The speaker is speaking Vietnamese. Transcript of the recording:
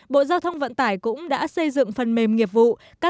bộ giao thông vận tải cũng đã xây dựng phần mềm nghiệp vụ